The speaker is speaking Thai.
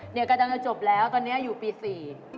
เดี๋ยวกระจำจะจบแล้วตอนนี้อายุปี๔